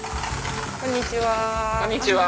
こんにちは。